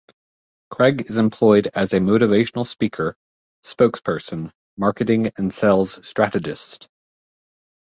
Craig is employed as a motivational speaker, spokesperson, marketing and sales strategist.